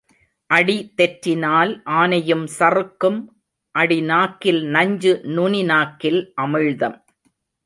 அடி தெற்றினால் ஆனையும் சறுக்கும் அடி நாக்கில் நஞ்சு நுனி நாக்கில் அமிழ்தம்.